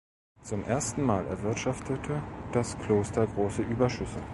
Zum ersten Mal erwirtschaftete das Kloster große Überschüsse.